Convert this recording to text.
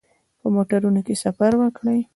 په موټرونو کې سفر وکړ.